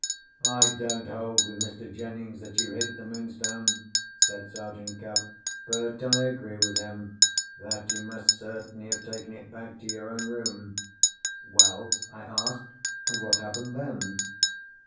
"I don't hold with Mr. Jennings that you hid the Moonstone," said Sergeant Cuff. "But I agree with him, that you must certainly have taken it back to your own room." "Well?" I asked. "And what happened then?"